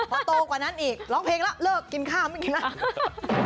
พอโตกว่านั้นอีกร้องเพลงแล้วเลิกกินข้าวไม่กินแล้ว